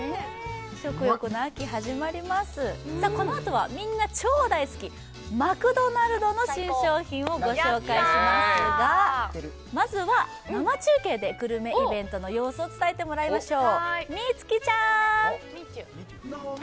食欲の秋、始まりますが、このあとはみんな大好き、マクドナルドの新商品をご紹介しますが、まずは生中継でグルメイベントの様子を伝えてもらいましょう。